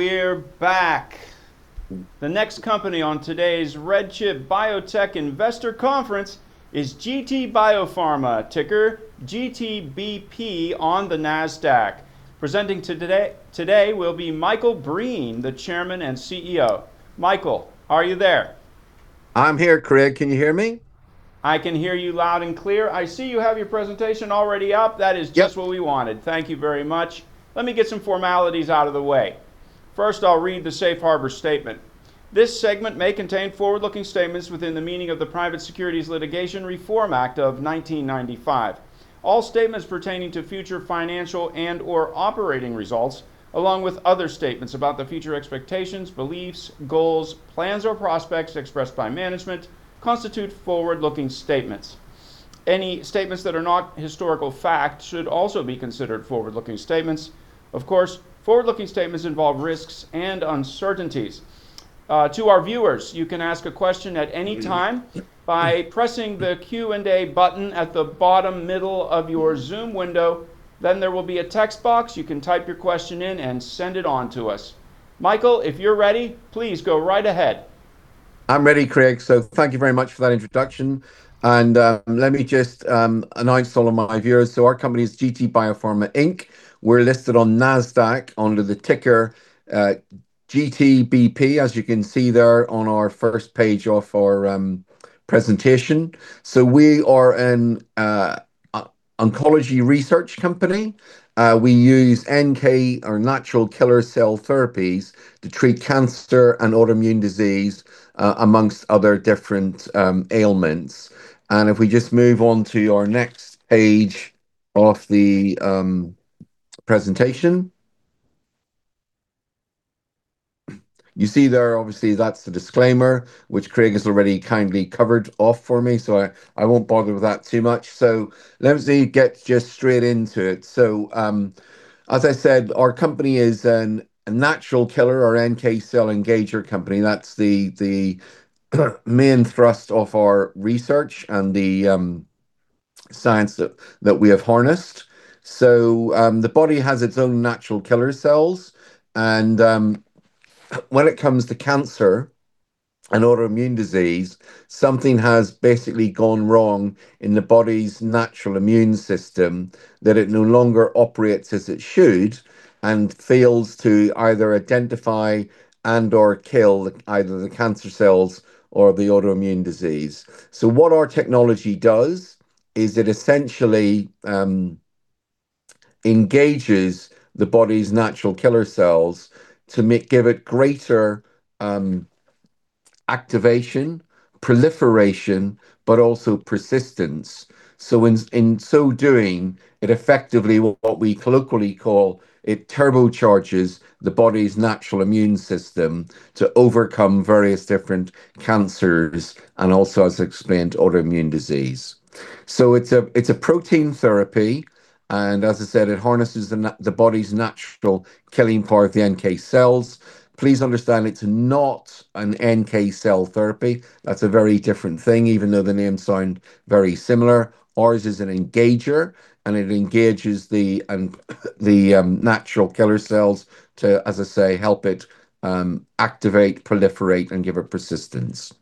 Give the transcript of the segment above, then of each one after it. We're back. The next company on today's RedChip Biotech Investor Conference is GT Biopharma, ticker GTBP on the Nasdaq. Presenting today will be Michael Breen, the Chairman and CEO. Michael, are you there? I'm here, Craig. Can you hear me? I can hear you loud and clear. I see you have your presentation already up. Yep. That is just what we wanted. Thank you very much. Let me get some formalities out of the way. First, I'll read the safe harbor statement. This segment may contain forward-looking statements within the meaning of the Private Securities Litigation Reform Act of 1995. All statements pertaining to future financial and/or operating results, along with other statements about the future expectations, beliefs, goals, plans, or prospects expressed by management, constitute forward-looking statements. Any statements that are not historical facts should also be considered forward-looking statements. Of course, forward-looking statements involve risks and uncertainties. To our viewers, you can ask a question at any time by pressing the Q&A button at the bottom middle of your Zoom window. Then there will be a text box. You can type your question in and send it to us. Michael, if you're ready, please go right ahead. I'm ready, Craig. Thank you very much for that introduction. Let me just announce all of my viewers. Our company is GT Biopharma, Inc. We're listed on Nasdaq under the ticker GTBP, as you can see there on the first page of our presentation. We are an oncology research company. We use NK or natural killer cell therapies to treat cancer and autoimmune disease, among other different ailments. If we just move on to our next page of the presentation. You see, there, obviously, that's the disclaimer, which Craig has already kindly covered off for me, so I won't bother with that too much. Let me get just straight into it. As I said, our company is a natural killer or NK cell engager company. That's the main thrust of our research and the science that we have harnessed. The body has its own natural killer cells. When it comes to cancer and autoimmune disease, something has basically gone wrong in the body's natural immune system that it no longer operates as it should and fails to either identify and/or kill either the cancer cells or the autoimmune disease. What our technology does is it essentially engages the body's natural killer cells to give it greater activation, proliferation, and persistence. In so doing, it effectively, what we colloquially call, it turbocharges the body's natural immune system to overcome various different cancers and also, as explained, autoimmune disease. It's a protein therapy, and as I said, it harnesses the body's natural killing part, the NK cells. Please understand it's not an NK cell therapy. That's a very different thing, even though the names sound very similar. Ours is an engager, and it engages the natural killer cells to, as I say, help it activate, proliferate, and give it persistence.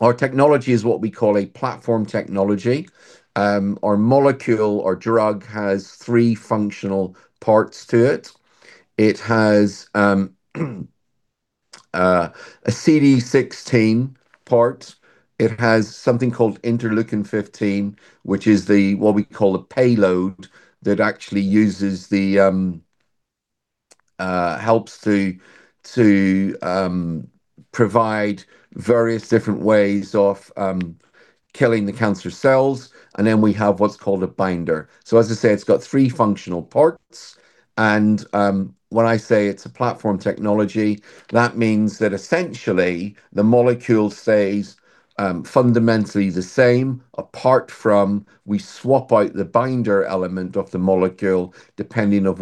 Our technology is what we call a platform technology. Our molecule, our drug, has three functional parts to it. It has a CD16 part. It has something called interleukin-15, which is what we call a payload that actually helps to provide various ways of killing the cancer cells. Then we have what's called a binder. As I say, it's got three functional parts. When I say it's a platform technology, that means that essentially the molecule stays fundamentally the same, apart from we swap out the binder element of the molecule depending on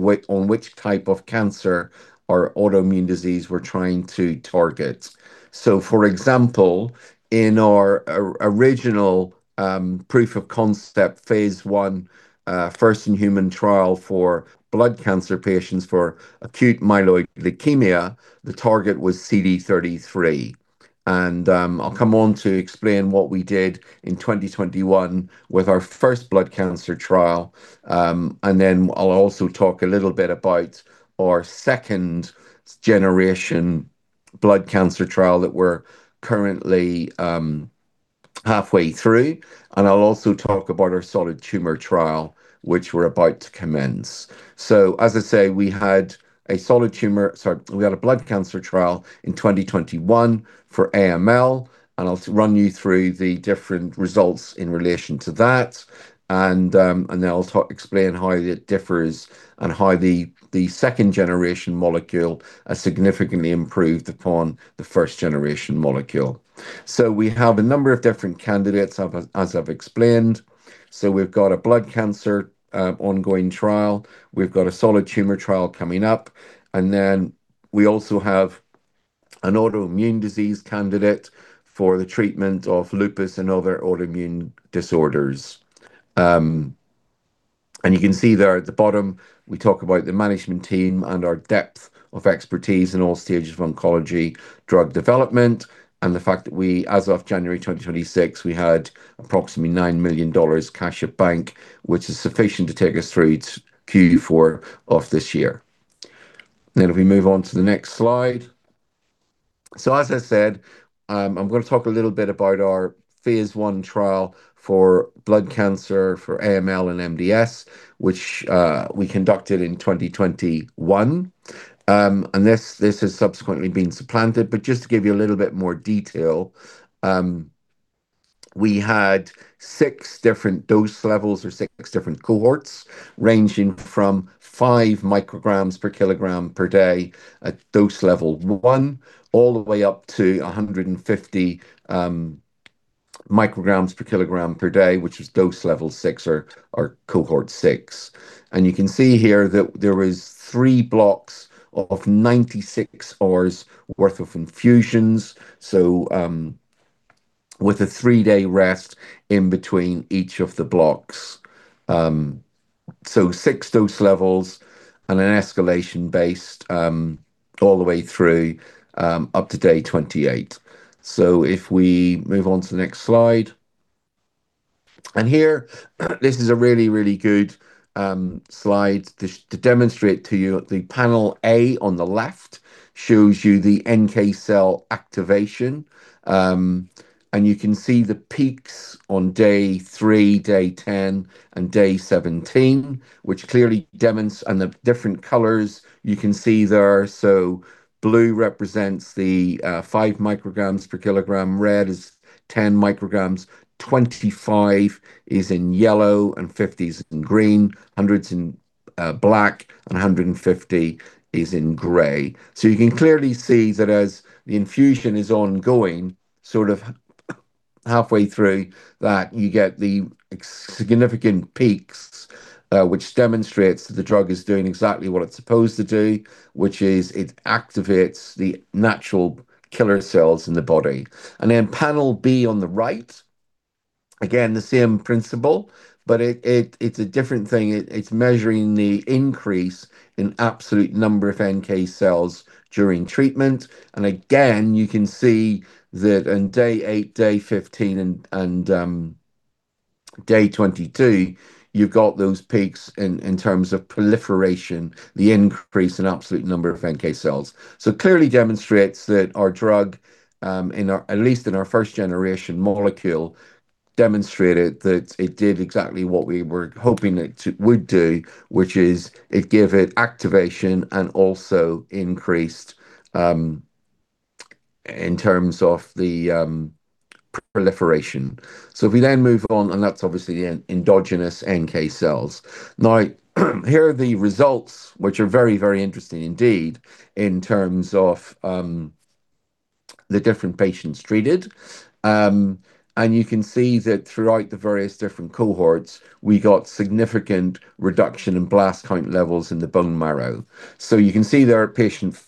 which type of cancer or autoimmune disease we're trying to target. For example, in our original proof of concept phase I, first-in-human trial for blood cancer patients for acute myeloid leukemia, the target was CD33. I'll come on to explain what we did in 2021 with our first blood cancer trial. I'll also talk a little bit about our second-generation blood cancer trial that we're currently halfway through. I'll also talk about our solid tumor trial, which we're about to commence. As I say, we had a blood cancer trial in 2021 for AML, and I'll run you through the different results in relation to that. I'll explain how it differs and how the second-generation molecule has significantly improved upon the first-generation molecule. We have a number of different candidates, as I've explained. We've got a blood cancer ongoing trial, we've got a solid tumor trial coming up, and then we also have an autoimmune disease candidate for the treatment of lupus and other autoimmune disorders. You can see there at the bottom, we talk about the management team and our depth of expertise in all stages of oncology drug development, and the fact that we, as of January 2026, had approximately $9 million in cash at bank, which is sufficient to take us through to Q4 of this year. If we move on to the next slide. As I said, I'm going to talk a little bit about our phase I trial for blood cancer for AML and MDS, which we conducted in 2021. This has subsequently been supplanted. Just to give you a little bit more detail, we had six different dose levels or six different cohorts ranging from 5 mcg per kg per day at dose level one, all the way up to 150 mcg per kg per day, which is dose level six or cohort six. You can see here that there were three blocks of 96 hours' worth of infusions, with a three-day rest in between each of the blocks. Six dose levels and an escalation based on all the way through up to day 28. If we move on to the next slide. Here, this is a really, really good slide to demonstrate to you. Panel A on the left shows you the NK cell activation. You can see the peaks on day three, day 10, and day 17. The different colors you can see there. Blue represents the 5 mcg per kg, red is 10 mcg, 25 mcg is in yellow, 50 mcg is in green, 100 mcg is in black, and 150 mcg is in gray. You can clearly see that as the infusion is ongoing, sort of halfway through, that you get the significant peaks, which demonstrates that the drug is doing exactly what it's supposed to do, which is to activate the natural killer cells in the body. Panel B on the right, again, the same principle, but it's a different thing. It's measuring the increase in the absolute number of NK cells during treatment. Again, you can see that on day eight, day 15, and day 22, you've got those peaks in terms of proliferation, the increase in the absolute number of NK cells. Clearly demonstrates that our drug, at least in our first-generation molecule, demonstrated that it did exactly what we were hoping it would do, which is that it gave activation and also increased, in terms of the proliferation. If we then move on, and that's obviously an endogenous NK cells. Now, here are the results, which are very, very interesting indeed in terms of the different patients treated. You can see that throughout the various different cohorts, we got a significant reduction in blast count levels in the bone marrow. You can see patient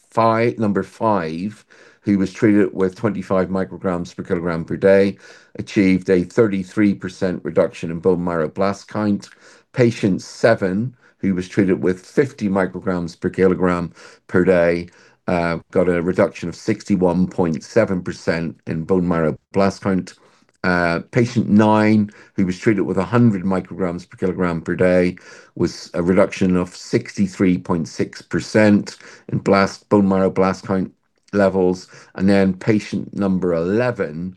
number five, who was treated with 25 mcg per kg per day, achieved a 33% reduction in bone marrow blast count. Patient seven, who was treated with 50 mcg per kg per day, got a reduction of 61.7% in bone marrow blast count. Patient nine, who was treated with 100 mcg per kg per day, had a reduction of 63.6% in bone marrow blast count levels. Patient number 11,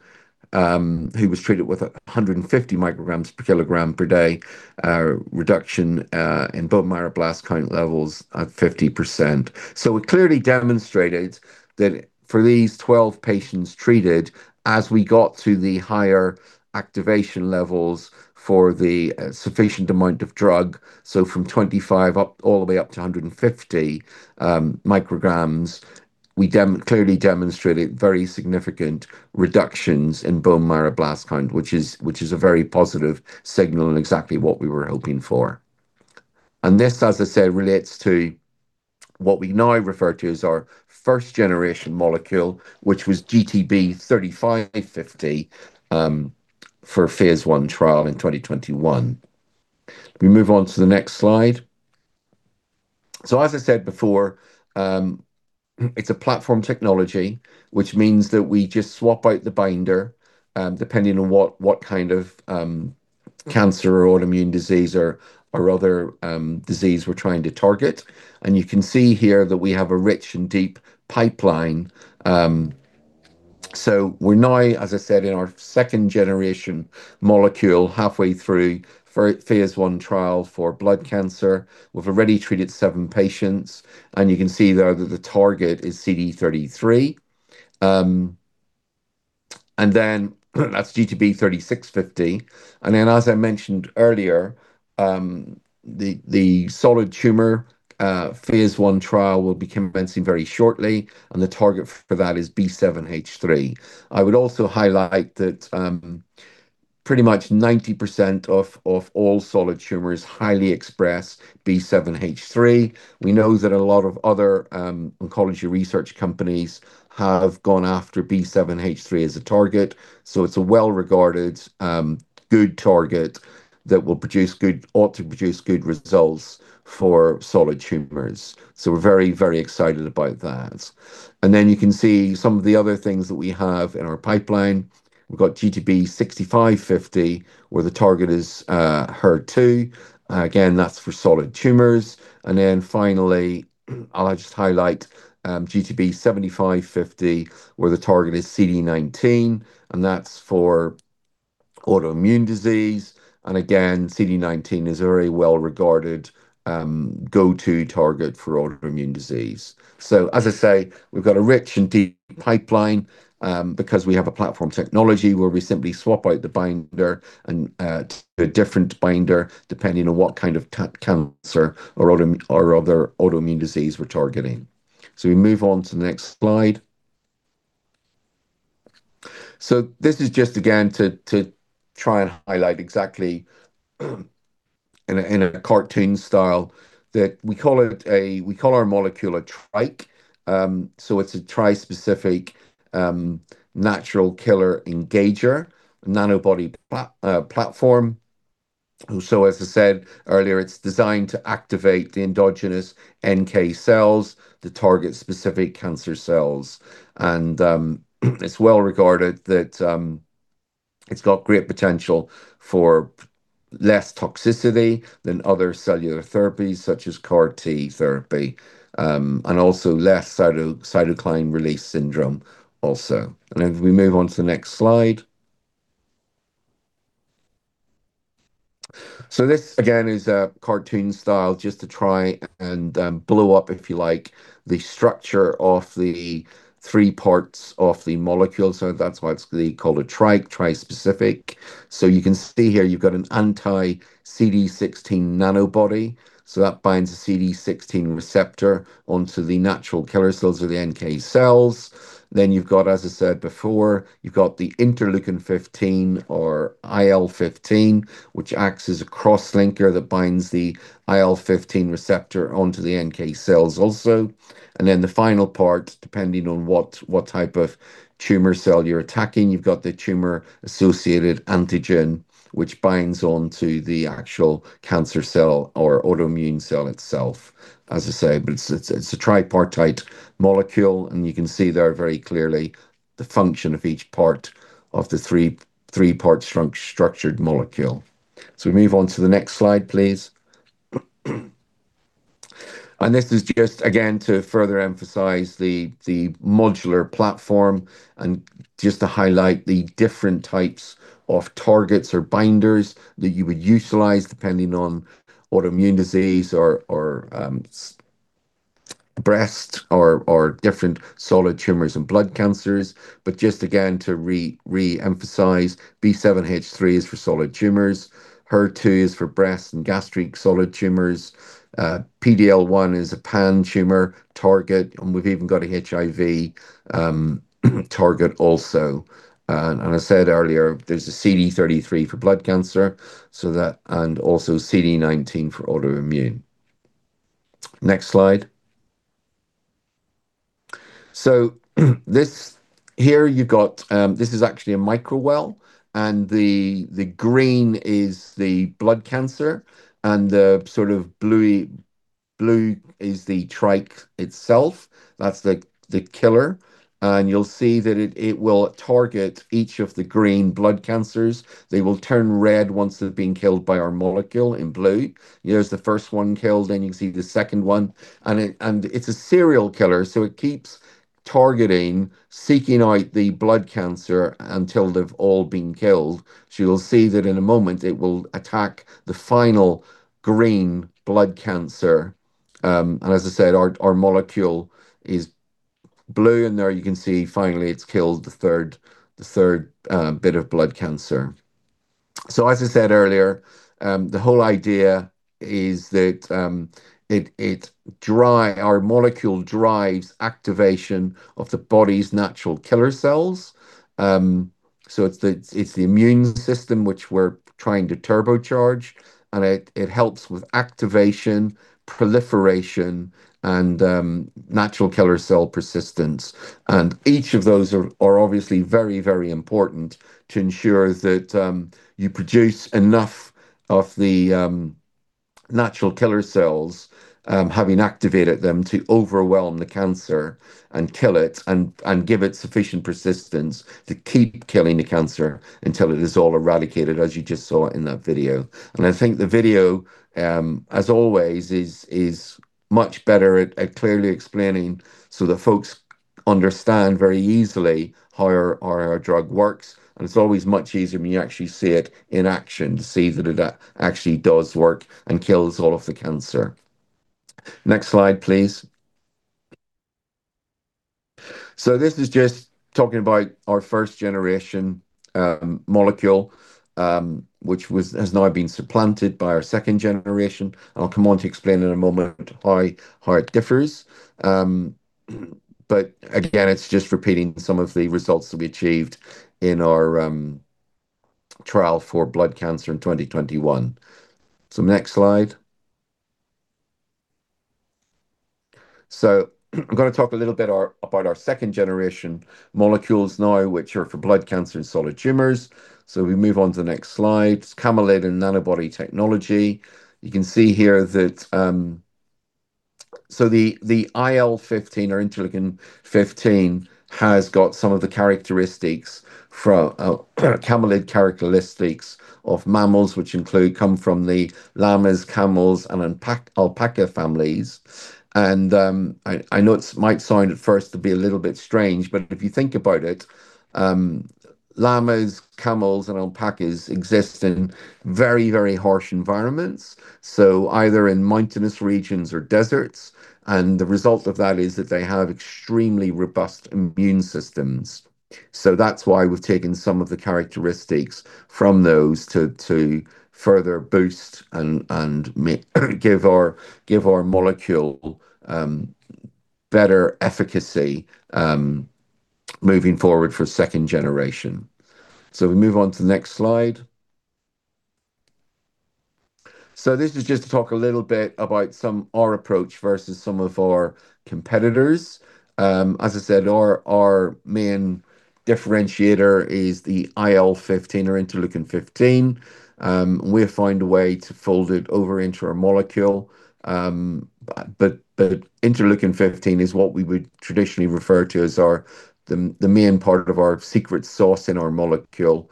who was treated with 150 mcg per kg per day, had a reduction in bone marrow blast count levels of 50%. It clearly demonstrated that for these 12 patients treated, as we got to the higher activation levels for a sufficient amount of drug. From 25 mcg all the way up to 150 mcg, we clearly demonstrated very significant reductions in bone marrow blast count, which is a very positive signal and exactly what we were hoping for. This, as I said, relates to what we now refer to as our first-generation molecule, which was GTB-3550, for the phase I trial in 2021. If we move on to the next slide. As I said before, it's a platform technology, which means that we just swap out the binder depending on what kind of cancer, autoimmune disease or other disease we're trying to target. You can see here that we have a rich and deep pipeline. We're now, as I said, in our second-generation molecule, halfway through phase I trial for blood cancer. We've already treated seven patients, and you can see there that the target is CD33. Then that's GTB-3650. Then, as I mentioned earlier, the solid tumor phase I trial will be commencing very shortly, and the target for that is B7-H3. I would also highlight that. Pretty much 90% of all solid tumors highly express B7-H3. We know that a lot of other oncology research companies have gone after B7-H3 as a target. It's a well-regarded, good target that ought to produce good results for solid tumors. We're very, very excited about that. You can see some of the other things that we have in our pipeline. We've got GTB-6550, where the target is HER2. Again, that's for solid tumors. Finally, I'll just highlight GTB-7550, where the target is CD19, and that's for autoimmune disease. CD19 is a very well-regarded, go-to target for autoimmune disease. As I say, we've got a rich and deep pipeline because we have a platform technology where we simply swap out the binder for a different binder, depending on what kind of cancer or other autoimmune disease we're targeting. We move on to the next slide. This is just again, to try and highlight exactly in a cartoon style that we call our molecule a TriKE. It's a trispecific natural killer engager nanobody platform. As I said earlier, it's designed to activate the endogenous NK cells to target specific cancer cells. It's well regarded that it's got great potential for less toxicity than other cellular therapies, such as CAR T therapy, and also less cytokine release syndrome. If we move on to the next slide. This again is a cartoon style just to try and blow up, if you like, the structure of the three parts of the molecule. That's why it's called a TriKE, trispecific. You can see here you've got an anti-CD16 nanobody. That binds a CD16 receptor onto the natural killer cells or the NK cells. You've got, as I said before, the interleukin-15 or IL-15, which acts as a cross-linker that binds the IL-15 receptor onto the NK cells also. The final part, depending on what type of tumor cell you're attacking, you've got the tumor-associated antigen, which binds onto the actual cancer cell or autoimmune cell itself. As I say, it's a tripartite molecule, and you can see there very clearly the function of each part of the three-part structured molecule. We move on to the next slide, please. This is just again, to further emphasize the modular platform and just to highlight the different types of targets or binders that you would utilize depending on autoimmune disease, breast, or different solid tumors and blood cancers. Just again, to re-emphasize, B7-H3 is for solid tumors, HER2 is for breast and gastric solid tumors. PD-L1 is a pan-tumor target, and we've even got an HIV target also. I said earlier, there's a CD33 for blood cancer, and also CD19 for autoimmune. Next slide. This here you've got, this is actually a microwell, and the green is the blood cancer, and the sort of blue is the TRIKE itself. That's the killer. You'll see that it will target each of the green blood cancers. They will turn red once they've been killed by our molecule in blue. Here's the first one killed, then you see the second one, and it's a serial killer. It keeps targeting, seeking out the blood cancer until they've all been killed. You'll see that in a moment, it will attack the final green blood cancer. As I said, our molecule is blue in there. You can see that it's killed the third bit of blood cancer. As I said earlier, the whole idea is that our molecule drives activation of the body's natural killer cells. It's the immune system that we're trying to turbocharge, and it helps with activation, proliferation, and natural killer cell persistence. Each of those is obviously very, very important to ensure that you produce enough of the natural killer cells, having activated them to overwhelm the cancer and kill it, and give it sufficient persistence to keep killing the cancer until it is all eradicated, as you just saw in that video. I think the video, as always, is much better at clearly explaining so that folks understand very easily how our drug works. It's always much easier when you actually see it in action to see that it actually does work and kills all of the cancer. Next slide, please. This is just talking about our first-generation molecule, which has now been supplanted by our second generation. I'll come on to explain in a moment how it differs. Again, it's just repeating some of the results that we achieved in our trial for blood cancer in 2021. Next slide. We're going to talk a little bit about our second-generation molecules now, which are for blood cancer and solid tumors. We move on to the next slide. Camelid and nanobody technology. You can see here that the IL-15 or interleukin-15 has got some of the characteristics from camelid characteristics of mammals which come from the llamas, camels, and alpaca families. I know it might sound at first to be a little bit strange, but if you think about it, llamas, camels, and alpacas exist in very, very harsh environments, so either in mountainous regions or deserts. The result of that is that they have extremely robust immune systems. That's why we've taken some of the characteristics from those to further boost and give our molecule better efficacy moving forward for second generation. We move on to the next slide. This is just to talk a little bit about our approach versus some of our competitors. As I said, our main differentiator is the IL-15 or interleukin-15. We have found a way to fold it over into our molecule. Interleukin-15 is what we would traditionally refer to as the main part of our secret sauce in our molecule.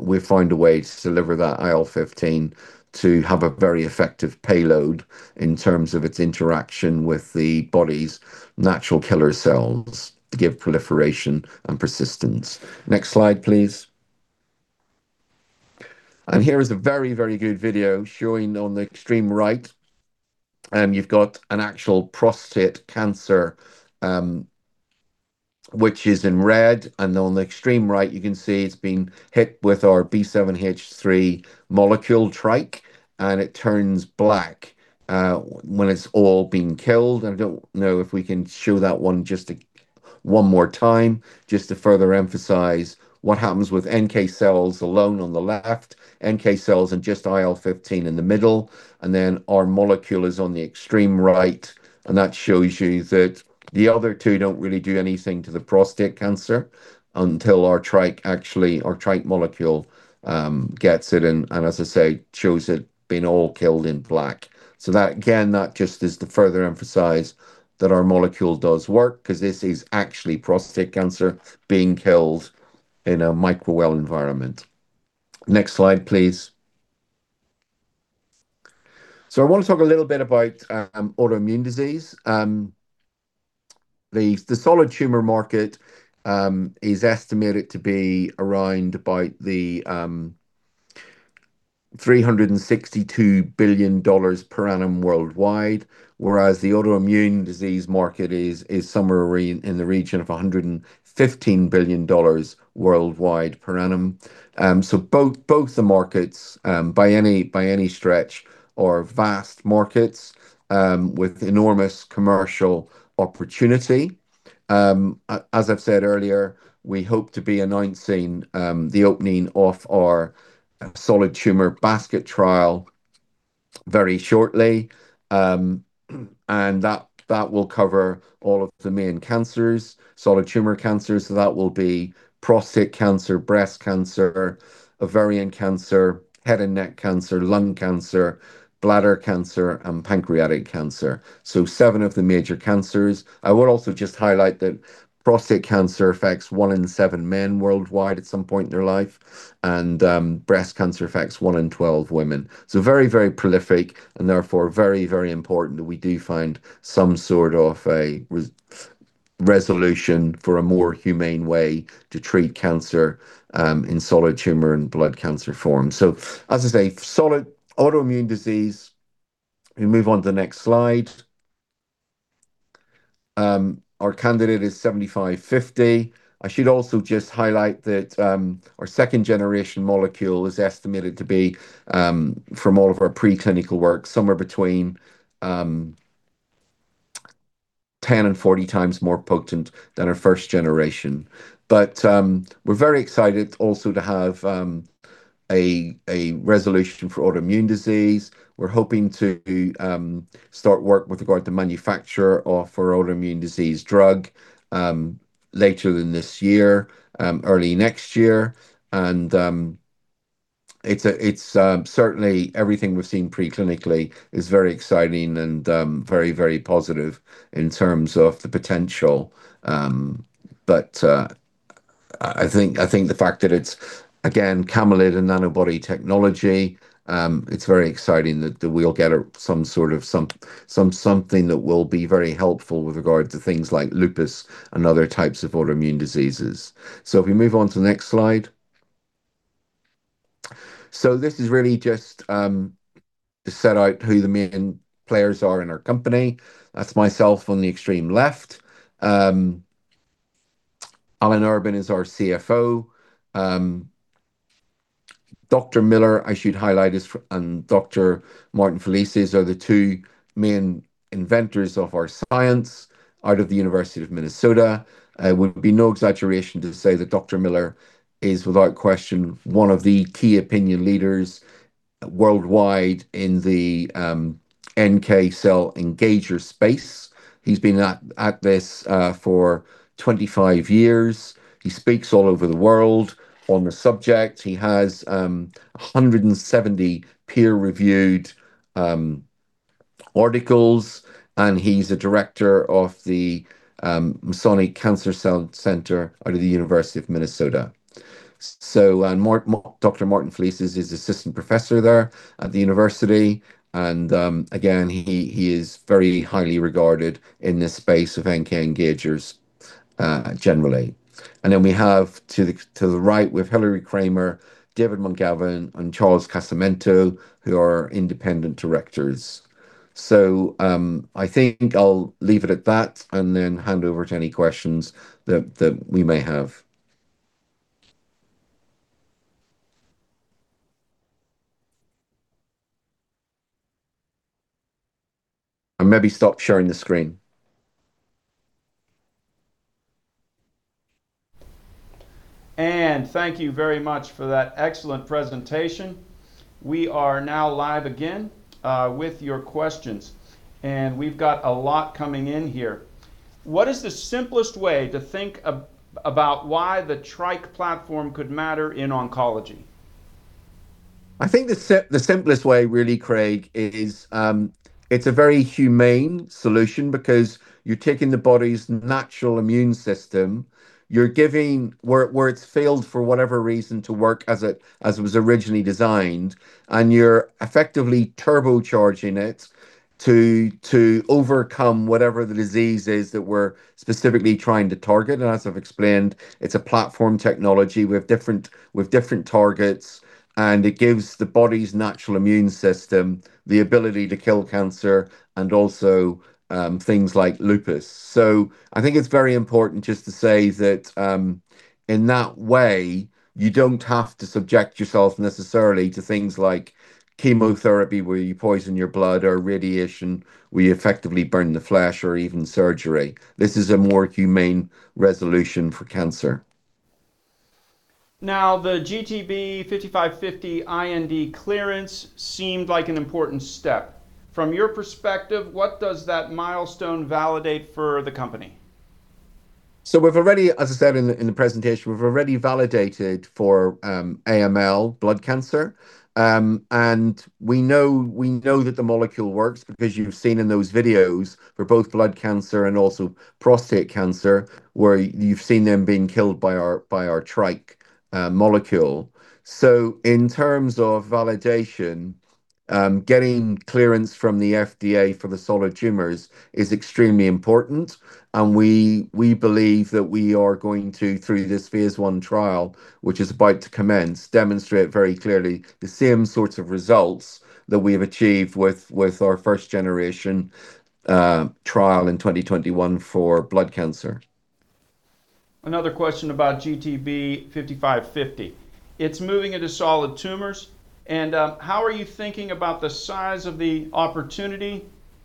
We've found a way to deliver that IL-15 to have a very effective payload in terms of its interaction with the body's natural killer cells to give proliferation and persistence. Next slide, please. Here is a very, very good video showing on the extreme right. You've got an actual prostate cancer, which is in red, and on the extreme right you can see it's been hit with our B7-H3 TriKE molecule, and it turns black when it's all been killed. I don't know if we can show that one just one more time, just to further emphasize what happens with NK cells alone on the left, NK cells and just IL-15 in the middle, and then our molecule is on the extreme right, and that shows you that the other two don't really do anything to the prostate cancer until our TriKE molecule gets it and, as I say, shows it being all killed in black. That, again, just is to further emphasize that our molecule does work because this is actually prostate cancer being killed in a microwell environment. Next slide, please. I want to talk a little bit about autoimmune disease. The solid tumor market is estimated to be around about the $362 billion per annum worldwide, whereas the autoimmune disease market is somewhere in the region of $115 billion worldwide per annum. Both the markets, by any stretch, are vast markets, with enormous commercial opportunity. As I've said earlier, we hope to be announcing the opening of our solid tumor basket trial very shortly. That will cover all of the main cancers, solid tumor cancers, so that will be prostate cancer, breast cancer, ovarian cancer, head and neck cancer, lung cancer, bladder cancer, and pancreatic cancer. Seven of the major cancers. I would also just highlight that prostate cancer affects one in seven men worldwide at some point in their life, and breast cancer affects one in 12 women. Very, very prolific and therefore very, very important that we do find some sort of a resolution for a more humane way to treat cancer in solid tumor and blood cancer form. As I say, solid autoimmune disease. We move on to the next slide. Our candidate is 7550. I should also just highlight that our second-generation molecule is estimated to be, from all of our preclinical work, somewhere between 10x and 40x more potent than our first generation. We're very excited also to have a resolution for autoimmune disease. We're hoping to start work with regard to manufacture of our autoimmune disease drug later in this year, early next year. Certainly everything we've seen preclinically is very exciting and very, very positive in terms of the potential. I think the fact that it's, again, camelid and nanobody technology, it's very exciting that we'll get something that will be very helpful with regard to things like lupus and other types of autoimmune diseases. If we move on to the next slide. This is really just to set out who the main players are in our company. That's myself on the extreme left. Alan Urban is our CFO. Dr. Miller, I should highlight, and Dr. Martin Felices are the two main inventors of our science out of the University of Minnesota. It would be no exaggeration to say that Dr. Miller is, without question, one of the key opinion leaders worldwide in the NK cell engager space. He's been at this for 25 years. He speaks all over the world on the subject. He has 170 peer-reviewed articles, and he's a director of the Masonic Cancer Center out of the University of Minnesota. Dr. Martin Felices is assistant professor there at the university, and again, he is very highly regarded in the space of NK engagers generally. Then we have to the right, we've Hilary Kramer, David Mun-Gavin, and Charles Casamento, who are independent directors. I think I'll leave it at that and then hand over to any questions that we may have. I'll maybe stop sharing the screen. Thank you very much for that excellent presentation. We are now live again with your questions, and we've got a lot coming in here. What is the simplest way to think about why the TriKE platform could matter in oncology? I think the simplest way really, Craig, is it's a very humane solution because you're taking the body's natural immune system, you're giving where it's failed for whatever reason to work as it was originally designed, and you're effectively turbocharging it to overcome whatever the disease is that we're specifically trying to target. As I've explained, it's a platform technology with different targets, and it gives the body's natural immune system the ability to kill cancer and also things like lupus. I think it's very important just to say that, in that way, you don't have to subject yourself necessarily to things like chemotherapy, where you poison your blood, or radiation, where you effectively burn the flesh, or even surgery. This is a more humane resolution for cancer. Now, the GTB-5550 IND clearance seemed like an important step. From your perspective, what does that milestone validate for the company? We've already, as I said in the presentation, we've already validated for AML, blood cancer. We know that the molecule works because you've seen in those videos for both blood cancer and also prostate cancer, where you've seen them being killed by our TriKE molecule. In terms of validation, getting clearance from the FDA for the solid tumors is extremely important. We believe that we are going to, through this phase I trial, which is about to commence, demonstrate very clearly the same sorts of results that we have achieved with our first-generation trial in 2021 for blood cancer. Another question about GTB-5550. It's moving into solid tumors, and how are you thinking about the size of the opportunity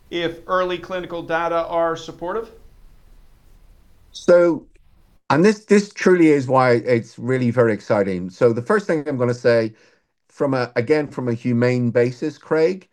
if early clinical data are supportive? This truly is why it's really very exciting. The first thing I'm going to say, again from a human basis, Craig,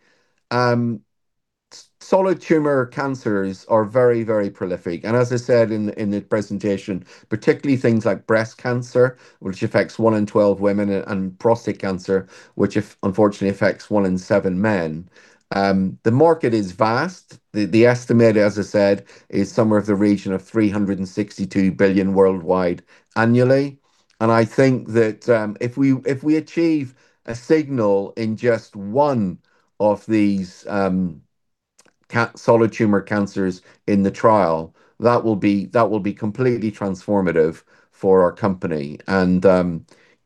solid tumor cancers are very, very prolific. As I said in the presentation, particularly things like breast cancer, which affects 1 in 12 women, and prostate cancer, which unfortunately affects 1 in 7 men. The market is vast. The estimate, as I said, is somewhere in the region of $362 billion worldwide annually. I think that if we achieve a signal in just one of these solid tumor cancers in the trial, that will be completely transformative for our company.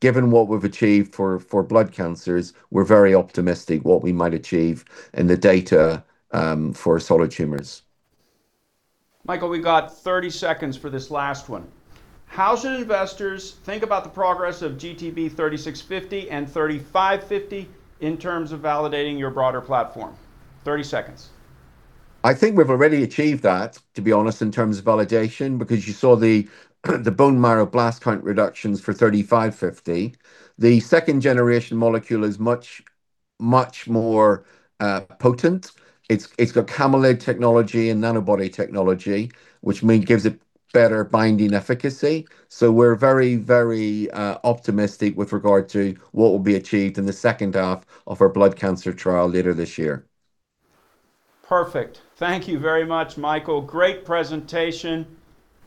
Given what we've achieved for blood cancers, we're very optimistic what we might achieve in the data for solid tumors. Michael, we've got 30 seconds for this last one. How should investors think about the progress of GTB-3650 and GTB-3550 in terms of validating your broader platform? 30 seconds. I think we've already achieved that, to be honest, in terms of validation, because you saw the bone marrow blast count reductions for 3550. The second-generation molecule is much, much more potent. It's got camelid technology and nanobody technology, which gives it better binding efficacy. We're very, very optimistic with regard to what will be achieved in the second half of our blood cancer trial later this year. Perfect. Thank you very much, Michael. Great presentation.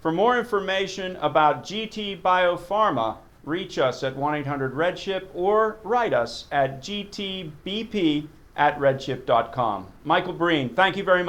For more information about GT Biopharma, reach us at 1-800-REDSHIP or write us at GTBP@redchip.com. Michael Breen, thank you very much.